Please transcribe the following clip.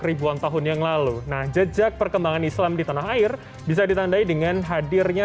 ribuan tahun yang lalu nah jejak perkembangan islam di tanah air bisa ditandai dengan hadirnya